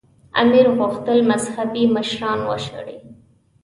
امیر غوښتل مذهبي مشران وشړي.